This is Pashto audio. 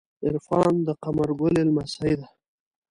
عرفان د قمر ګلی لمسۍ ده.